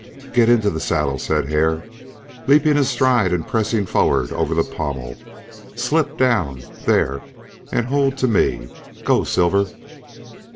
"Get into the saddle," said Hare, leaping astride and pressing forward over the pommel. "Slip down there! and hold to me. Go! Silver!"